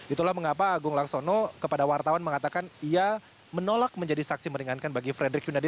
itulah mengapa agung laksono kepada wartawan mengatakan ia menolak menjadi saksi meringankan bagi frederick yunadi